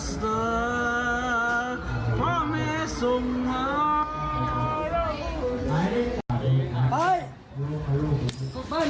แกล้งไหมอยู่ใกล้ไหนบ้าง